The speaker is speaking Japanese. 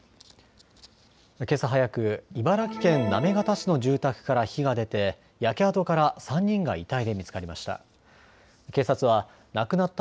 けさ早く、茨城県行方市の住宅から火が出て焼け跡から３人が遺体で見つかりました。